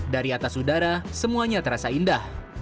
dari atas udara semuanya terasa indah